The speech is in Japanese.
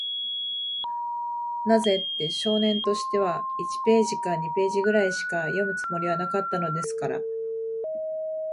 なぜって、少年としては、一ページか二ページぐらいしか読むつもりはなかったのですから。